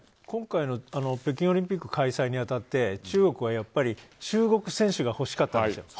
今回の北京オリンピック開催に当たって中国は中国選手がほしかったわけです。